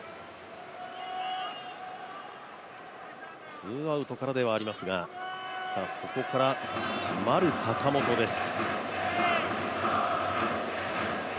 ツーアウトからではありますがここから丸、坂本です。